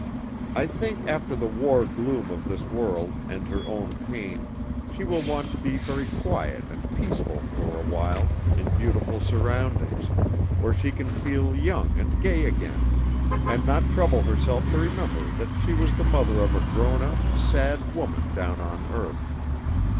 I think after the war gloom of this world, and her own pain, she will want to be very quiet and peaceful for a while in beautiful surroundings, where she can feel young and gay again, and not trouble herself to remember that she was the mother of a grown up, sad woman down on earth.